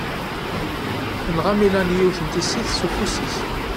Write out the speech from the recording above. Tenɣa Melanie yiwet n tissist s ufus-is.